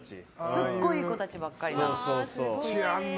すっごいいい子たちばっかりなの。